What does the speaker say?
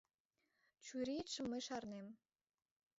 Чуриетшым мый шарнем.